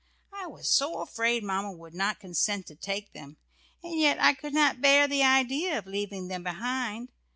I was so afraid Mamma would not consent to take them, and yet I could not bear the idea of leaving them behind.